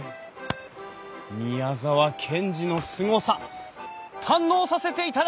宮沢賢治のすごさ堪能させていただきます！